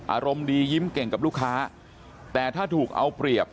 อารมณ์ดียิ้มเก่งกับลูกค้าแต่ถ้าถูกเอาเปรียบ